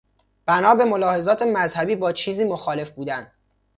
بنا به ملاحظات مذهبی با چیزی مخالف بودن.